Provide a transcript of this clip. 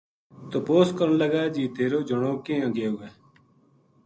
تپوس کرن لگا جی تیرو جنو کیناں گیو ہے